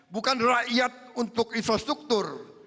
bukan rakyat untuk infrastruktur